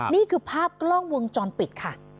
นี่คือภาพกล้องวงจรปิดค่ะ